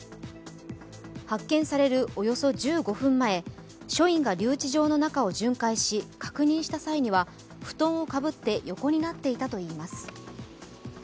発見されるおよそ１５分前、署員が留置場の中を巡回し、確認した際には布団をかぶって横になっていたといいます。